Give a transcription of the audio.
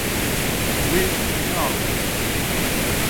Wî neavêtiye.